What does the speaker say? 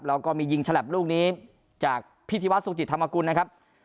แล้วก็มียิงฉลับลูกนี้จากพิธีวัฒนสุจิตธรรมกุลนะครับ